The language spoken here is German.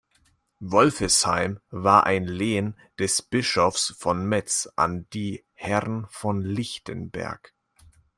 Wolfisheim war ein Lehen des Bischofs von Metz an die Herren von Lichtenberg.